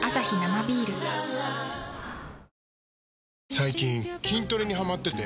最近筋トレにハマってて。